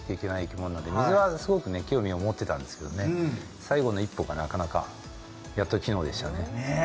動物なので水はすごく興味を持ってたんですけど最後の一歩がなかなかやっと昨日でしたね。